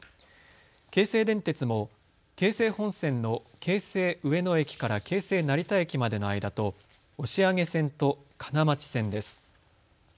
京成電鉄も京成本線の京成上野駅から京成成田駅までの間と押上線と金町線です。